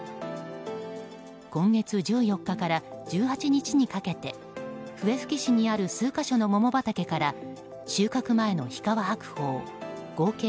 今月１４日から１８日にかけて笛吹市にある数か所のモモ畑から収穫前の日川白鳳合計